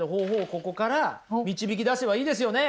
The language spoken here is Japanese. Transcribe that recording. ここから導き出せばいいですよね！